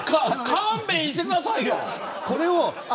勘弁してくださいよ。